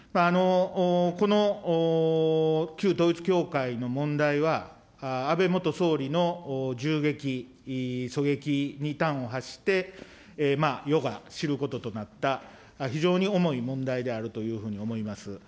この旧統一教会の問題は、安倍元総理の銃撃、狙撃に端を発して、世が知ることとなった非常に重い問題であるというふうに思います。